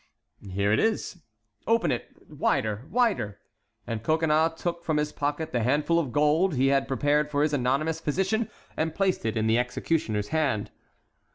"Here it is." "Open it—wider—wider!" And Coconnas took from his pocket the handful of gold he had prepared for his anonymous physician and placed it in the executioner's hand.